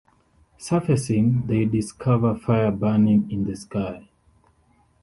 Surfacing, they discover fire burning in the sky.